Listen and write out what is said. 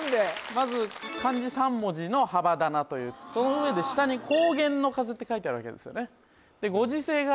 まず漢字３文字の幅だなというその上で下に高原の風って書いてあるわけですよねでご時世柄